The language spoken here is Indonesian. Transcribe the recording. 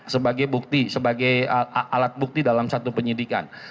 sebagai bukti sebagai alat bukti dalam satu penyidikan